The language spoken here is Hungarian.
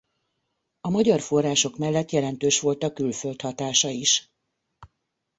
A magyar források mellett jelentős volt a külföld hatása is.